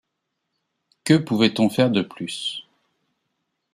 que pouvait on faire de plus